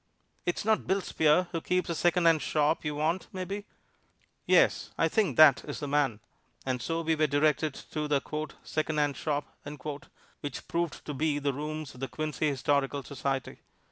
"It's not Bill Spear who keeps a secondhand shop, you want, mebbe?" "Yes; I think that is the man." And so we were directed to the "secondhand shop," which proved to be the rooms of the Quincy Historical Society.